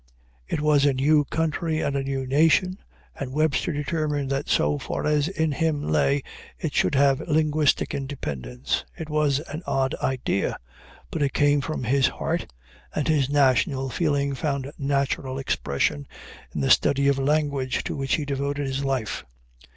It was a new country and a new nation, and Webster determined that so far as in him lay it should have linguistic independence. It was an odd idea, but it came from his heart, and his national feeling found natural expression in the study of language, to which he devoted his life.